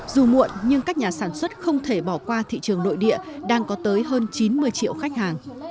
dù muộn nhưng các nhà sản xuất không thể bỏ qua thị trường nội địa đang có tới hơn chín mươi triệu khách hàng